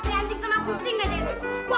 kaya anjing sama kucing enggak dewi